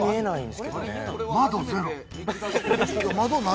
窓ゼロ。